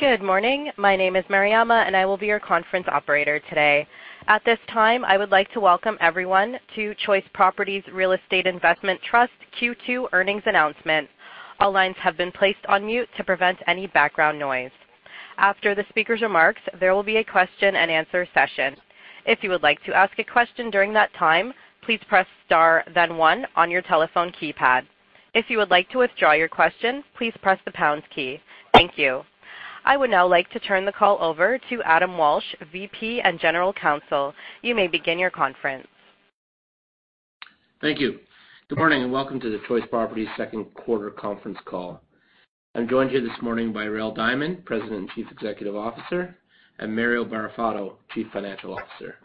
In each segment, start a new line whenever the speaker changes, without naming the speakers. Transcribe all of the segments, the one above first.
Good morning. My name is Mariama, and I will be your conference operator today. At this time, I would like to welcome everyone to Choice Properties Real Estate Investment Trust Q2 earnings announcement. All lines have been placed on mute to prevent any background noise. After the speaker's remarks, there will be a question and answer session. If you would like to ask a question during that time, please press star then one on your telephone keypad. If you would like to withdraw your question, please press the pounds key. Thank you. I would now like to turn the call over to Adam Walsh, VP and General Counsel. You may begin your conference.
Thank you. Good morning, and welcome to the Choice Properties second quarter conference call. I'm joined here this morning by Rael Diamond, President and Chief Executive Officer, and Mario Barrafato, Chief Financial Officer.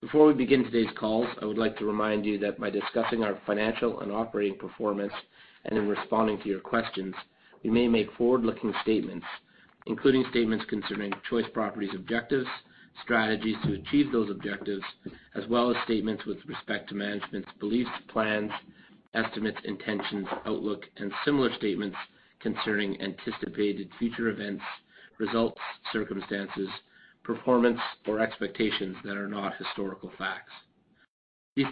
Before we begin today's calls, I would like to remind you that by discussing our financial and operating performance and in responding to your questions, we may make forward-looking statements, including statements concerning Choice Properties objectives, strategies to achieve those objectives, as well as statements with respect to management's beliefs, plans, estimates, intentions, outlook, and similar statements concerning anticipated future events, results, circumstances, performance, or expectations that are not historical facts. These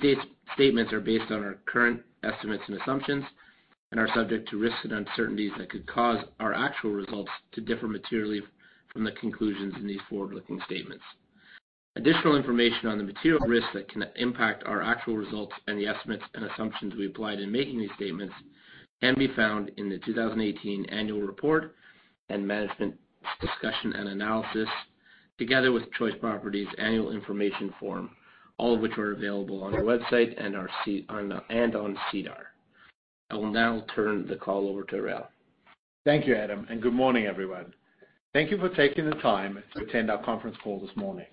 statements are based on our current estimates and assumptions and are subject to risks and uncertainties that could cause our actual results to differ materially from the conclusions in these forward-looking statements. Additional information on the material risks that can impact our actual results and the estimates and assumptions we applied in making these statements can be found in the 2018 Annual Report and Management Discussion and Analysis, together with Choice Properties Annual Information Form, all of which are available on our website and on SEDAR. I will now turn the call over to Rael.
Thank you, Adam, and good morning, everyone. Thank you for taking the time to attend our conference call this morning.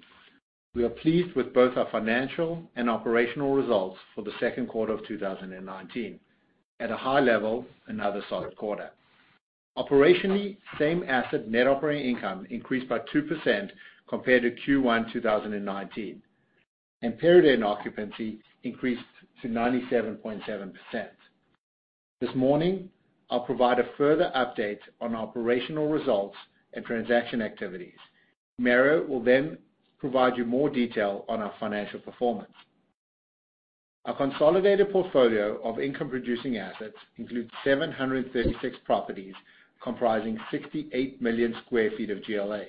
We are pleased with both our financial and operational results for the second quarter of 2019. At a high level, another solid quarter. Operationally, same asset net operating income increased by 2% compared to Q1 2019, and period-end occupancy increased to 97.7%. This morning, I'll provide a further update on our operational results and transaction activities. Mario will then provide you more detail on our financial performance. Our consolidated portfolio of income-producing assets includes 736 properties comprising 68 million sq ft of GLA.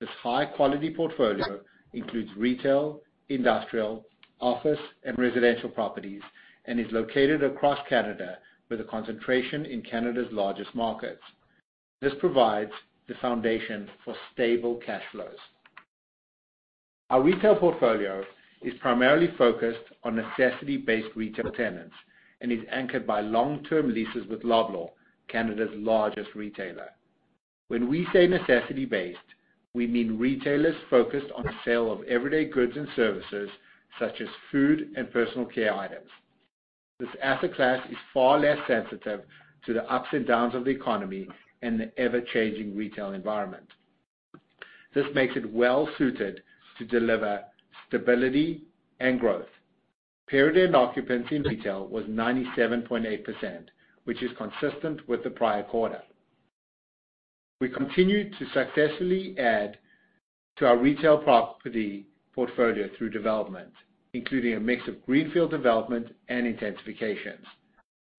This high-quality portfolio includes retail, industrial, office, and residential properties and is located across Canada with a concentration in Canada's largest markets. This provides the foundation for stable cash flows. Our retail portfolio is primarily focused on necessity-based retail tenants and is anchored by long-term leases with Loblaw, Canada's largest retailer. When we say necessity-based, we mean retailers focused on the sale of everyday goods and services such as food and personal care items. This asset class is far less sensitive to the ups and downs of the economy and the ever-changing retail environment. This makes it well-suited to deliver stability and growth. Period-end occupancy in retail was 97.8% which is consistent with the prior quarter. We continue to successfully add to our retail property portfolio through development, including a mix of greenfield development and intensifications.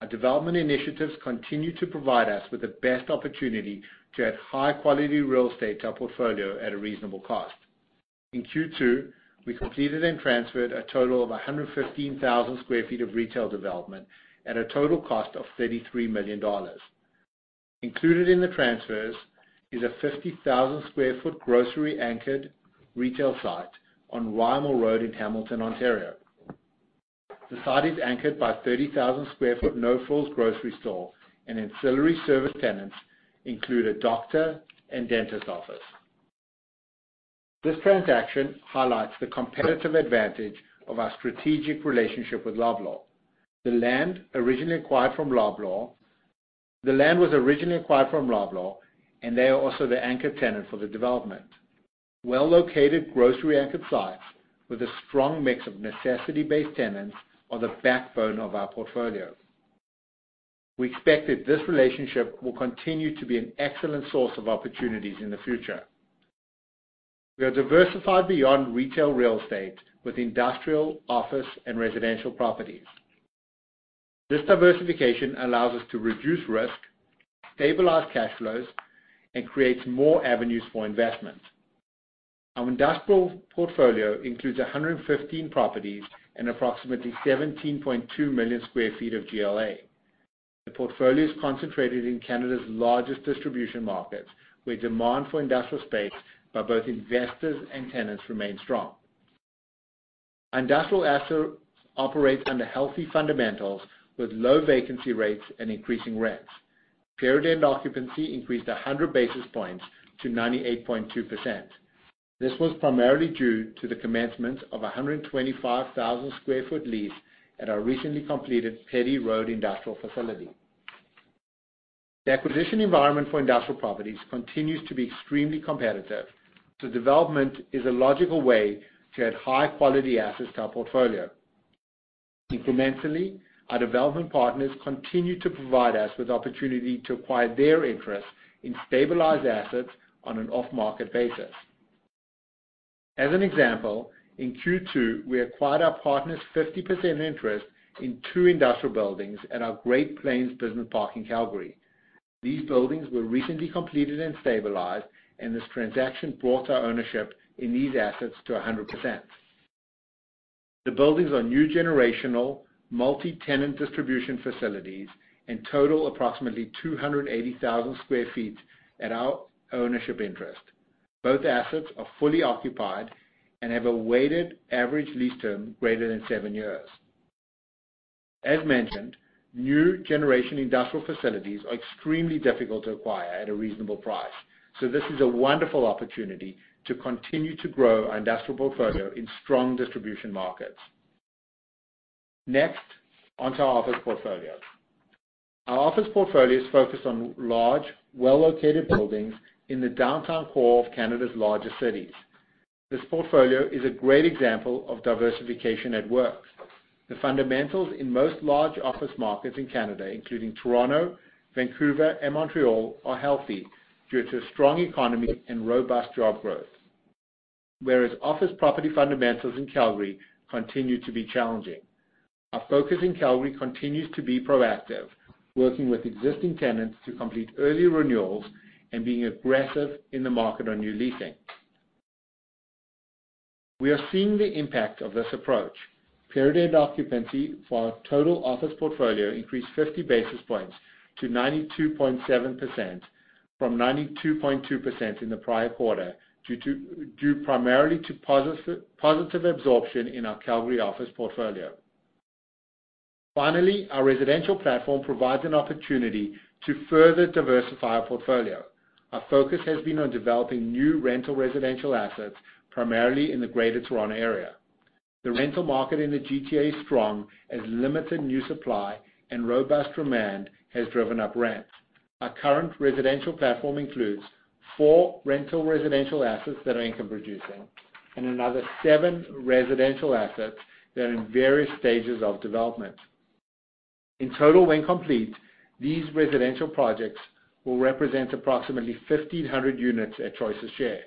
Our development initiatives continue to provide us with the best opportunity to add high-quality real estate to our portfolio at a reasonable cost. In Q2, we completed and transferred a total of 115,000 sq ft of retail development at a total cost of 33 million dollars. Included in the transfers is a 50,000 sq ft grocery-anchored retail site on Rymal Road in Hamilton, Ontario. The site is anchored by a 30,000 sq ft No Frills grocery store, and ancillary service tenants include a doctor and dentist office. This transaction highlights the competitive advantage of our strategic relationship with Loblaw. The land was originally acquired from Loblaw, and they are also the anchor tenant for the development. Well-located grocery-anchored sites with a strong mix of necessity-based tenants are the backbone of our portfolio. We expect that this relationship will continue to be an excellent source of opportunities in the future. We are diversified beyond retail real estate with industrial, office, and residential properties. This diversification allows us to reduce risk, stabilize cash flows, and creates more avenues for investment. Our industrial portfolio includes 115 properties and approximately 17.2 million sq ft of GLA. The portfolio is concentrated in Canada's largest distribution markets, where demand for industrial space by both investors and tenants remains strong. Our industrial assets operate under healthy fundamentals with low vacancy rates and increasing rents. Period-end occupancy increased 100 basis points to 98.2%. This was primarily due to the commencement of a 125,000 sq ft lease at our recently completed Petty Road industrial facility. Development is a logical way to add high-quality assets to our portfolio. Incrementally, our development partners continue to provide us with opportunity to acquire their interest in stabilized assets on an off-market basis. As an example, in Q2, we acquired our partner's 50% interest in two industrial buildings at our Great Plains Business Park in Calgary. These buildings were recently completed and stabilized, and this transaction brought our ownership in these assets to 100%. The buildings are new generational, multi-tenant distribution facilities, and total approximately 280,000 sq ft at our ownership interest. Both assets are fully occupied and have a weighted average lease term greater than seven years. As mentioned, new generation industrial facilities are extremely difficult to acquire at a reasonable price. This is a wonderful opportunity to continue to grow our industrial portfolio in strong distribution markets. Next, onto our office portfolio. Our office portfolio is focused on large, well-located buildings in the downtown core of Canada's largest cities. This portfolio is a great example of diversification at work. The fundamentals in most large office markets in Canada, including Toronto, Vancouver, and Montreal, are healthy due to strong economy and robust job growth. Whereas office property fundamentals in Calgary continue to be challenging. Our focus in Calgary continues to be proactive, working with existing tenants to complete early renewals and being aggressive in the market on new leasing. We are seeing the impact of this approach. Period-end occupancy for our total office portfolio increased 50 basis points to 92.7%, from 92.2% in the prior quarter, due primarily to positive absorption in our Calgary office portfolio. Our residential platform provides an opportunity to further diversify our portfolio. Our focus has been on developing new rental residential assets, primarily in the Greater Toronto Area. The rental market in the GTA is strong, as limited new supply and robust demand has driven up rents. Our current residential platform includes four rental residential assets that are income producing, and another seven residential assets that are in various stages of development. In total, when complete, these residential projects will represent approximately 1,500 units at Choice's share.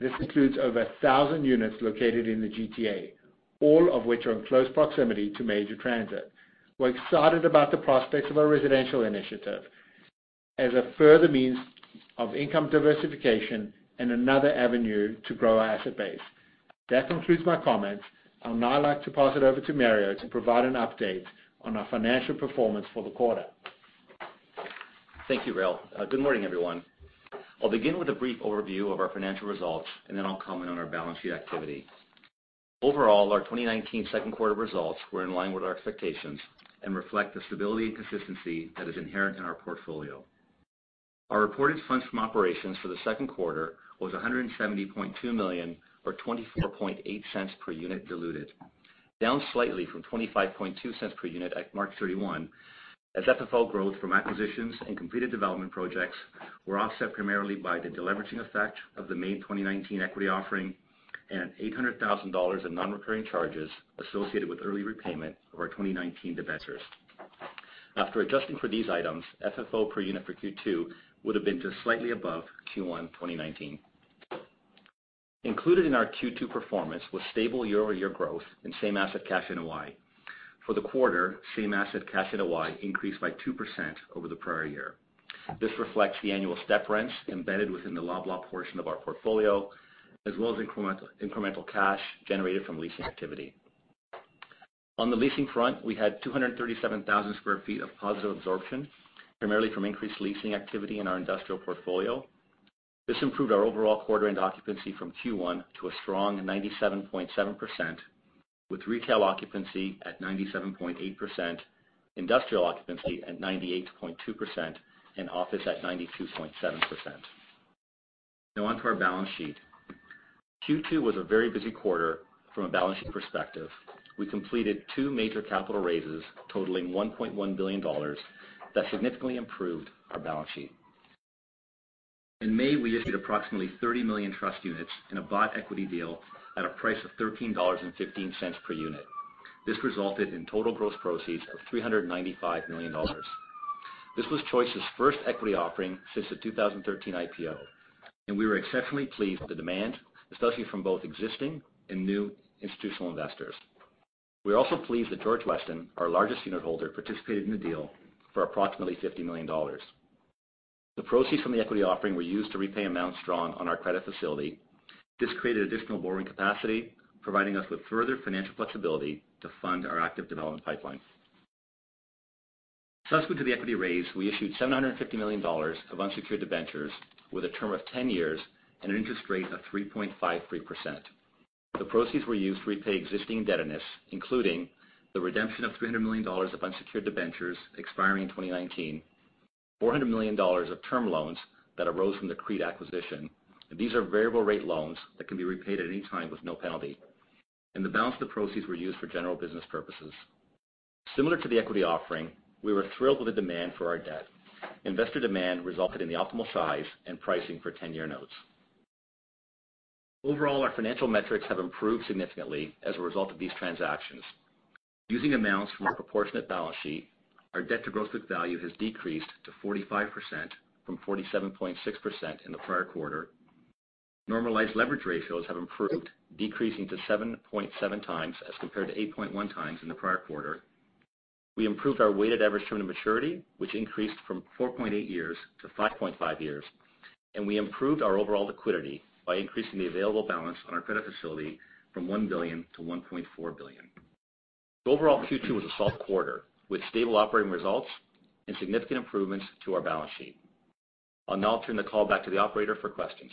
This includes over 1,000 units located in the GTA, all of which are in close proximity to major transit. We're excited about the prospects of our residential initiative as a further means of income diversification and another avenue to grow our asset base. That concludes my comments. I'll now like to pass it over to Mario to provide an update on our financial performance for the quarter.
Thank you, Rael. Good morning, everyone. I'll begin with a brief overview of our financial results. I'll comment on our balance sheet activity. Overall, our 2019 second quarter results were in line with our expectations and reflect the stability and consistency that is inherent in our portfolio. Our reported FFO for the second quarter was 170.2 million, or 0.248 per unit diluted, down slightly from 0.252 per unit at March 31, as FFO growth from acquisitions and completed development projects were offset primarily by the deleveraging effect of the May 2019 equity offering and 800,000 dollars of non-recurring charges associated with early repayment of our 2019 debentures. After adjusting for these items, FFO per unit for Q2 would have been just slightly above Q1 2019. Included in our Q2 performance was stable year-over-year growth in same asset cash NOI. For the quarter, same asset cash NOI increased by 2% over the prior year. This reflects the annual step rents embedded within the Le Blanc portion of our portfolio, as well as incremental cash generated from leasing activity. On the leasing front, we had 237,000 square feet of positive absorption, primarily from increased leasing activity in our industrial portfolio. This improved our overall quarter end occupancy from Q1 to a strong 97.7%, with retail occupancy at 97.8%, industrial occupancy at 98.2%, and office at 92.7%. Onto our balance sheet. Q2 was a very busy quarter from a balance sheet perspective. We completed two major capital raises totaling 1.1 billion dollars that significantly improved our balance sheet. In May, we issued approximately 30 million trust units in a bought equity deal at a price of 13.15 dollars per unit. This resulted in total gross proceeds of 395 million dollars. This was Choice's first equity offering since the 2013 IPO. We were exceptionally pleased with the demand, especially from both existing and new institutional investors. We are also pleased that George Weston, our largest unitholder, participated in the deal for approximately 50 million dollars. The proceeds from the equity offering were used to repay amounts drawn on our credit facility. This created additional borrowing capacity, providing us with further financial flexibility to fund our active development pipeline. Subsequent to the equity raise, we issued 750 million dollars of unsecured debentures with a term of 10 years and an interest rate of 3.53%. The proceeds were used to repay existing indebtedness, including the redemption of 300 million dollars of unsecured debentures expiring in 2019, 400 million dollars of term loans that arose from the CREIT acquisition. These are variable rate loans that can be repaid at any time with no penalty. The balance of the proceeds were used for general business purposes. Similar to the equity offering, we were thrilled with the demand for our debt. Investor demand resulted in the optimal size and pricing for 10-year notes. Overall, our financial metrics have improved significantly as a result of these transactions. Using amounts from our proportionate balance sheet, our debt to gross book value has decreased to 45% from 47.6% in the prior quarter. Normalized leverage ratios have improved, decreasing to 7.7 times as compared to 8.1 times in the prior quarter. We improved our weighted average term to maturity, which increased from 4.8 years to 5.5 years. We improved our overall liquidity by increasing the available balance on our credit facility from 1 billion to 1.4 billion. Overall, Q2 was a soft quarter with stable operating results and significant improvements to our balance sheet. I will now turn the call back to the operator for questions.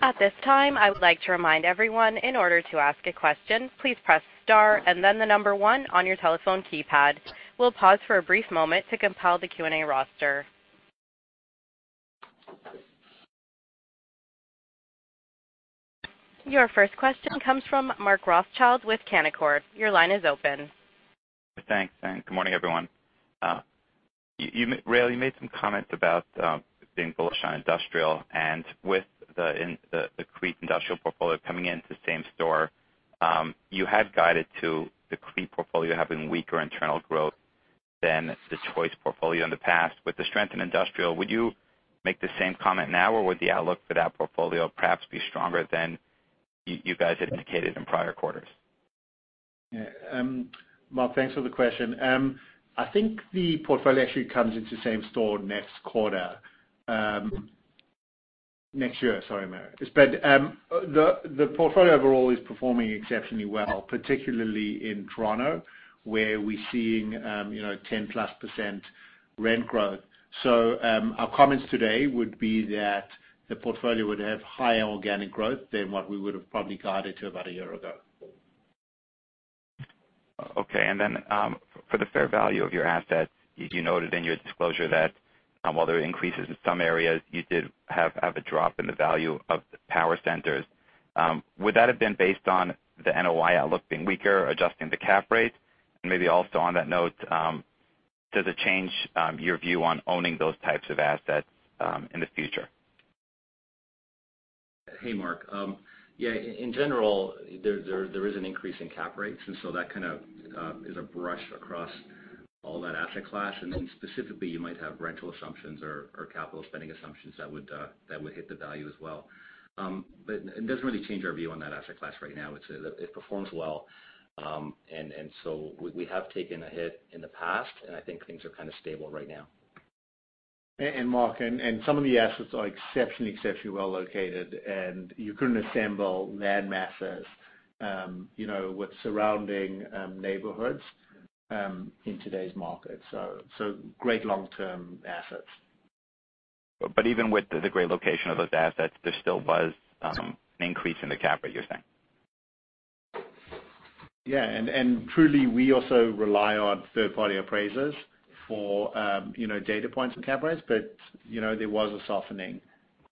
At this time, I would like to remind everyone, in order to ask a question, please press star and then the number one on your telephone keypad. We will pause for a brief moment to compile the Q&A roster. Your first question comes from Mark Rothschild with Canaccord. Your line is open.
Thanks, and good morning, everyone. Rael, you made some comments about being bullish on industrial and with the CREIT industrial portfolio coming into same store. You had guided to the CREIT portfolio having weaker internal growth than the Choice portfolio in the past. With the strength in industrial, would you make the same comment now, or would the outlook for that portfolio perhaps be stronger than you guys had indicated in prior quarters?
Mark, thanks for the question. I think the portfolio actually comes into same store next quarter. Next year, sorry, Mark. The portfolio overall is performing exceptionally well, particularly in Toronto, where we're seeing 10-plus % rent growth. Our comments today would be that the portfolio would have higher organic growth than what we would've probably guided to about a year ago.
Okay. For the fair value of your assets, you noted in your disclosure that while there were increases in some areas, you did have a drop in the value of the power centers. Would that have been based on the NOI outlook being weaker, adjusting the cap rates? Maybe also on that note, does it change your view on owning those types of assets in the future?
Hey, Mark. Yeah, in general, there is an increase in cap rates, that kind of is a brush across all that asset class. Specifically, you might have rental assumptions or capital spending assumptions that would hit the value as well. It doesn't really change our view on that asset class right now. It performs well, we have taken a hit in the past, and I think things are kind of stable right now.
Mark, some of the assets are exceptionally well located, and you couldn't assemble land masses with surrounding neighborhoods in today's market. Great long-term assets.
Even with the great location of those assets, there still was an increase in the cap rate, you're saying.
Yeah. Truly, we also rely on third-party appraisers for data points and cap rates, but there was a softening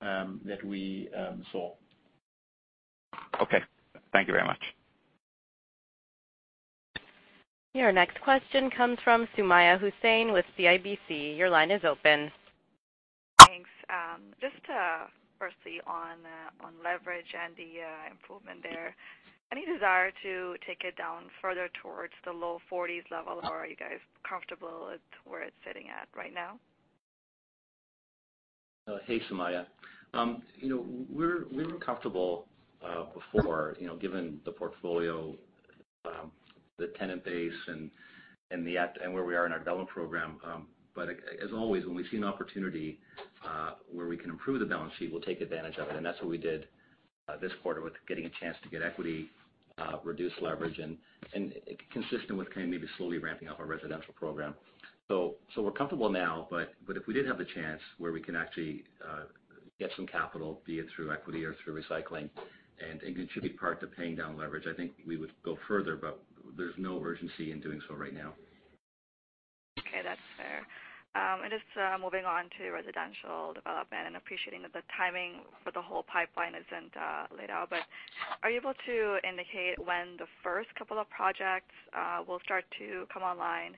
that we saw.
Okay. Thank you very much.
Your next question comes from Sumayya Hussain with CIBC. Your line is open.
Thanks. Firstly on leverage and the improvement there. Any desire to take it down further towards the low 40s level, or are you guys comfortable with where it's sitting at right now?
Hey, Sumayya. We were comfortable before, given the portfolio, the tenant base, and where we are in our development program. As always, when we see an opportunity where we can improve the balance sheet, we'll take advantage of it. That's what we did this quarter with getting a chance to get equity, reduce leverage, and consistent with kind of maybe slowly ramping up our residential program. We're comfortable now, but if we did have a chance where we can actually get some capital, be it through equity or through recycling, and it could be part of paying down leverage, I think we would go further. There's no urgency in doing so right now.
Okay. That's fair. Just moving on to residential development and appreciating that the timing for the whole pipeline isn't laid out. Are you able to indicate when the first couple of projects will start to come online,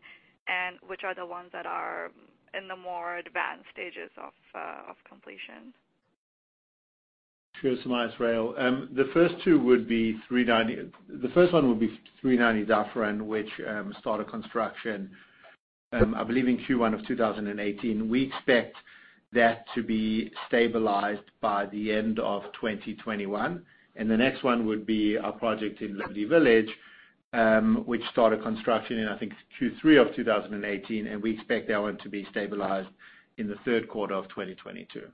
and which are the ones that are in the more advanced stages of completion?
Sure, Sumayya. It's Rael. The first one would be 390 Dufferin, which started construction, I believe, in Q1 of 2018. We expect that to be stabilized by the end of 2021. The next one would be our project in Leslie Village, which started construction in, I think, Q3 of 2018. We expect that one to be stabilized in the third quarter of 2022.
Okay.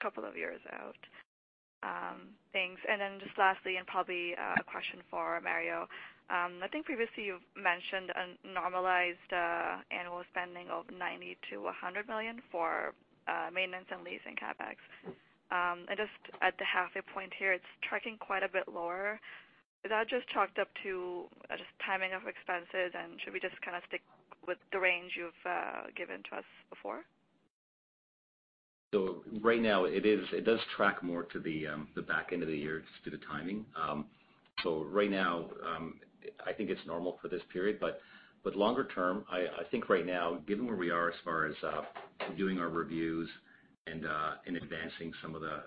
A couple of years out. Thanks. Then just lastly, and probably a question for Mario. I think previously you've mentioned a normalized annual spending of 90 million to 100 million for maintenance and leasing CapEx. Just at the halfway point here, it's tracking quite a bit lower. Is that just chalked up to just timing of expenses? Should we just kind of stick with the range you've given to us before?
Right now, it does track more to the back end of the year just due to timing. Right now, I think it's normal for this period. Longer term, I think right now, given where we are as far as doing our reviews and advancing some of the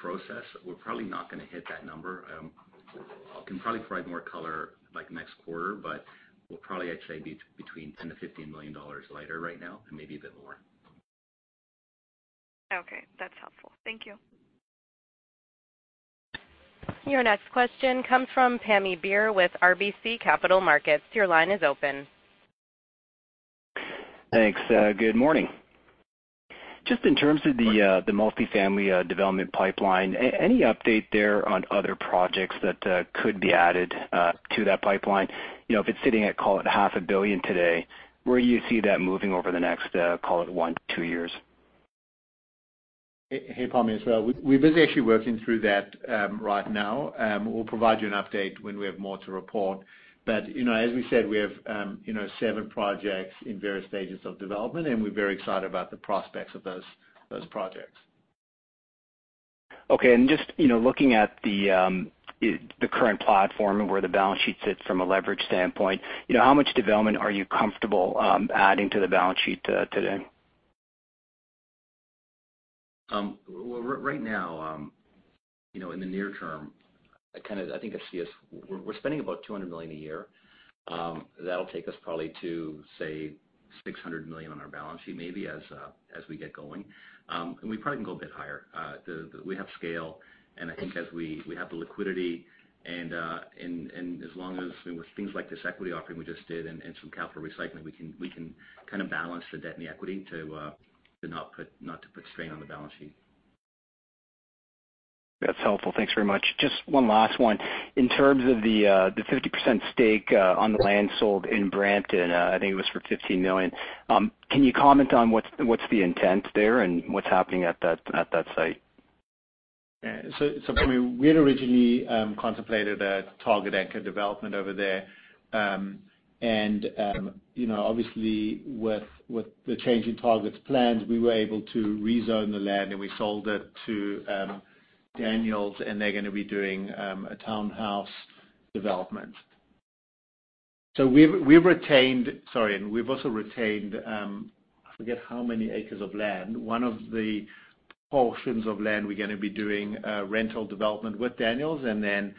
process, we're probably not going to hit that number. I can probably provide more color by next quarter, but we'll probably, I'd say, be between 10 million to 15 million dollars lighter right now, and maybe a bit more.
Okay. That's helpful. Thank you.
Your next question comes from Pammi Bir with RBC Capital Markets. Your line is open.
Thanks. Good morning. Just in terms of the multi-family development pipeline, any update there on other projects that could be added to that pipeline? If it's sitting at, call it half a billion today, where do you see that moving over the next, call it one to two years?
Hey, Pammi. We're busy actually working through that right now. We'll provide you an update when we have more to report. As we said, we have seven projects in various stages of development, and we're very excited about the prospects of those projects.
Okay. Just looking at the current platform and where the balance sheet sits from a leverage standpoint, how much development are you comfortable adding to the balance sheet today?
Right now, in the near term, I think we're spending about 200 million a year. That'll take us probably to, say, 600 million on our balance sheet, maybe, as we get going. We probably can go a bit higher. We have scale, and I think as we have the liquidity and as long as with things like this equity offering we just did and some capital recycling, we can kind of balance the debt and the equity to not to put strain on the balance sheet.
That's helpful. Thanks very much. Just one last one. In terms of the 50% stake on the land sold in Brampton, I think it was for CAD 15 million. Can you comment on what's the intent there and what's happening at that site?
Pammi, we had originally contemplated a Target anchor development over there. Obviously, with the change in Target's plans, we were able to rezone the land. We sold it to Daniels, and they're going to be doing a townhouse development. We've retained. Sorry, we've also retained, I forget how many acres of land. One of the portions of land we're going to be doing a rental development with Daniels, and then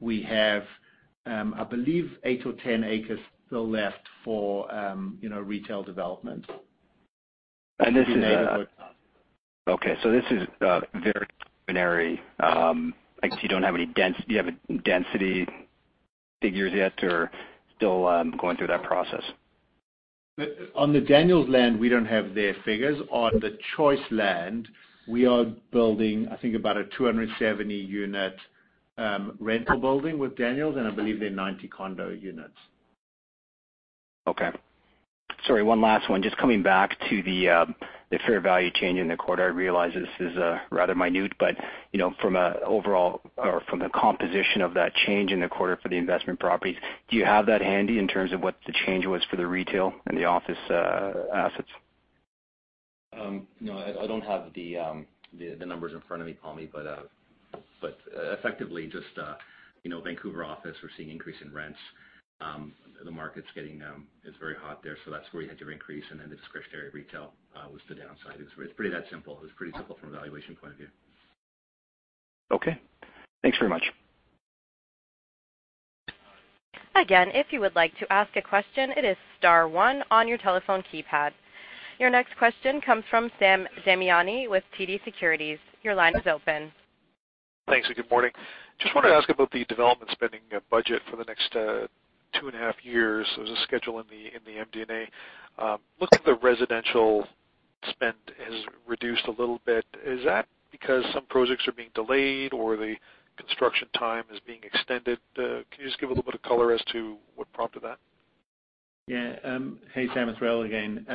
we have, I believe, eight or 10 acres still left for retail development.
This is-
We made it.
Okay. This is very preliminary. You don't have any density figures yet, or still going through that process?
On the Daniels land, we don't have their figures. On the Choice land, we are building, I think about a 270-unit rental building with Daniels, and I believe there are 90 condo units.
Sorry, one last one. Just coming back to the fair value change in the quarter. I realize this is rather minute, from an overall or from the composition of that change in the quarter for the investment properties, do you have that handy in terms of what the change was for the retail and the office assets?
No, I don't have the numbers in front of me, Pammi, but effectively, just Vancouver office, we're seeing increase in rents. The market's very hot there, so that's where you had your increase, and then the discretionary retail was the downside. It's pretty that simple. It was pretty simple from a valuation point of view.
Okay. Thanks very much.
Again, if you would like to ask a question, it is star one on your telephone keypad. Your next question comes from Sam Damiani with TD Securities. Your line is open.
Thanks, and good morning. Just wanted to ask about the development spending budget for the next two and a half years. There's a schedule in the MD&A. Looks like the residential spend has reduced a little bit. Is that because some projects are being delayed or the construction time is being extended? Can you just give a little bit of color as to what prompted that?
Yeah. Hey, Sam. It's Rael again.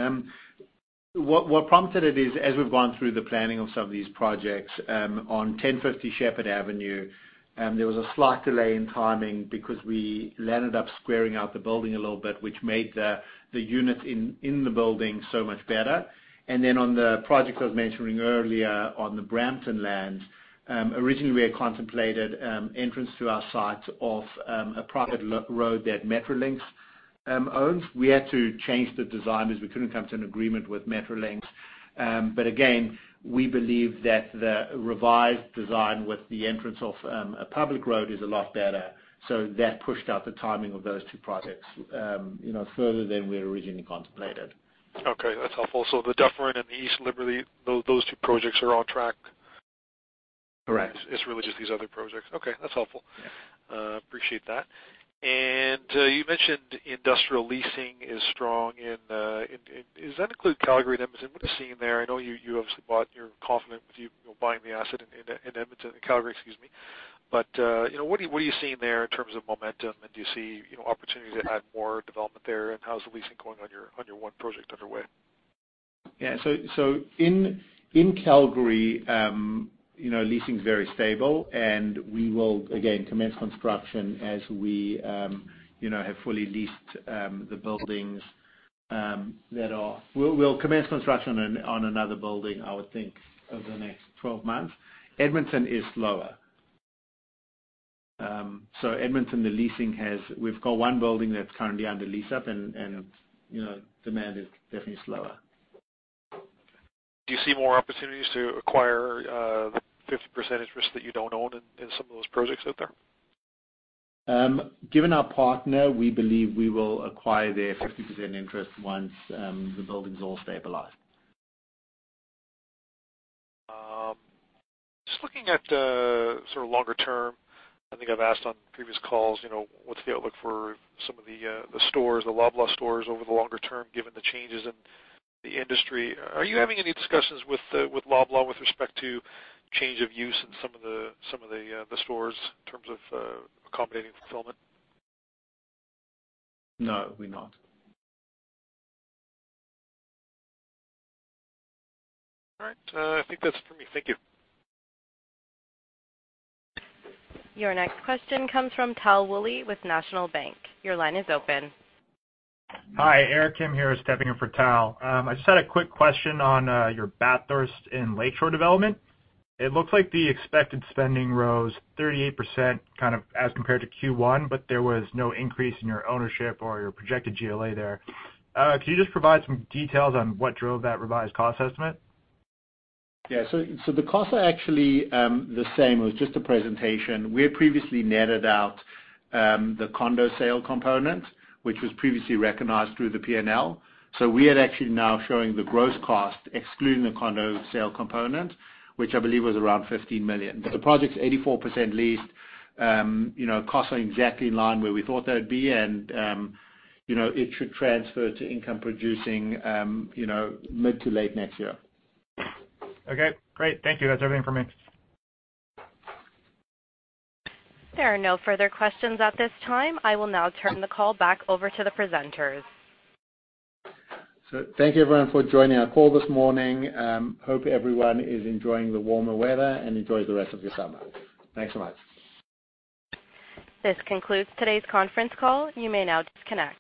What prompted it is, as we've gone through the planning of some of these projects, on 1050 Sheppard Avenue, there was a slight delay in timing because we landed up squaring out the building a little bit, which made the units in the building so much better. On the project I was mentioning earlier on the Brampton land, originally, we had contemplated entrance to our site off a private road that Metrolinx owns. We had to change the design as we couldn't come to an agreement with Metrolinx. Again, we believe that the revised design with the entrance off a public road is a lot better. That pushed out the timing of those two projects further than we had originally contemplated.
Okay, that's helpful. The Dufferin and the East Liberty, those two projects are on track?
Correct.
It's really just these other projects. Okay, that's helpful.
Yeah.
Appreciate that. You mentioned industrial leasing is strong, and does that include Calgary and Edmonton? What are you seeing there? I know you obviously bought and you're confident with buying the asset in Calgary, excuse me. What are you seeing there in terms of momentum, and do you see opportunity to add more development there? How's the leasing going on your one project underway?
In Calgary, leasing is very stable, and we will again commence construction as we have fully leased the buildings. We'll commence construction on another building, I would think, over the next 12 months. Edmonton is slower. Edmonton, the leasing has. We've got one building that's currently under lease-up and demand is definitely slower.
Do you see more opportunities to acquire the 50% interest that you don't own in some of those projects out there?
Given our partner, we believe we will acquire their 50% interest once the building's all stabilized.
Just looking at the sort of longer term, I think I've asked on previous calls, what's the outlook for some of the Loblaw stores over the longer term, given the changes in the industry? Are you having any discussions with Loblaw with respect to change of use in some of the stores in terms of accommodating fulfillment?
No, we're not.
All right. I think that's it for me. Thank you.
Your next question comes from Tal Woolley with National Bank. Your line is open.
Hi, Eric Kim here stepping in for Tal. I just had a quick question on your Bathurst and Lakeshore development. It looks like the expected spending rose 38% kind of as compared to Q1, but there was no increase in your ownership or your projected GLA there. Can you just provide some details on what drove that revised cost estimate?
The costs are actually the same. It was just a presentation. We had previously netted out the condo sale component, which was previously recognized through the P&L. We are actually now showing the gross cost, excluding the condo sale component, which I believe was around 15 million. The project's 84% leased. Costs are exactly in line where we thought they would be, and it should transfer to income producing mid to late next year.
Great. Thank you. That's everything for me.
There are no further questions at this time. I will now turn the call back over to the presenters.
Thank you everyone for joining our call this morning. Hope everyone is enjoying the warmer weather, and enjoy the rest of your summer. Thanks so much.
This concludes today's conference call. You may now disconnect.